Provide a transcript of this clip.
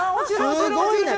すごいな！